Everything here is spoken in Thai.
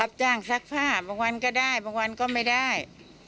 จ้างซักผ้าบางวันก็ได้บางวันก็ไม่ได้